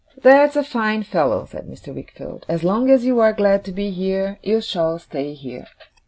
'That's a fine fellow!' said Mr. Wickfield. 'As long as you are glad to be here, you shall stay here.